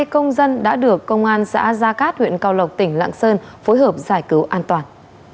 hai công dân đã được công an xã gia cát huyện cao lộc tỉnh lạng sơn phối hợp giải cứu an toàn